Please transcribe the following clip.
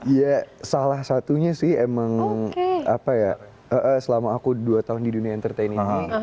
ya salah satunya sih emang apa ya selama aku dua tahun di dunia entertain ini